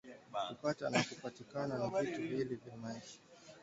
Kupata na kupatikana ni vitu viwili vya maisha